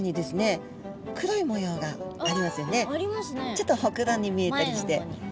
ちょっとほくろに見えたりして。